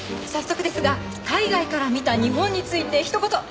早速ですが海外から見た日本についてひと言。